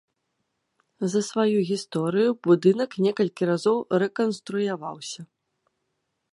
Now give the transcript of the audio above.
За сваю гісторыю будынак некалькі разоў рэканструяваўся.